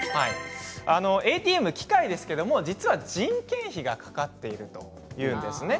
ＡＴＭは機械ですが実は人件費がかかっているというんですね。